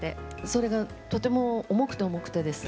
それがとても重くて重くてですね。